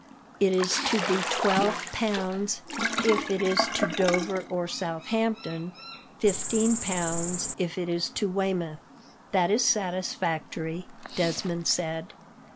It is to be twelve pounds if it is to Dover or Southampton; fifteen pounds if it is to Weymouth." "That is satisfactory," Desmond said.